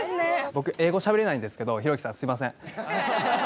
僕英語しゃべれないんですけどひろゆきさんすみません。